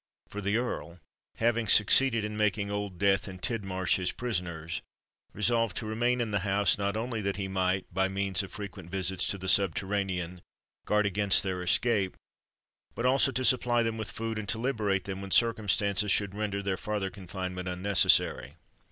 For, the Earl—having succeeded in making Old Death and Tidmarsh his prisoners—resolved to remain in the house, not only that he might, by means of frequent visits to the subterranean, guard against their escape, but also to supply them with food and to liberate them when circumstances should render their farther confinement unnecessary.